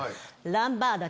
ランバーダ！